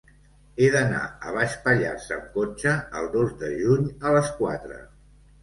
He d'anar a Baix Pallars amb cotxe el dos de juny a les quatre.